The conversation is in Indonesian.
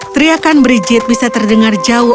teriakan brigit bisa terdengar jauh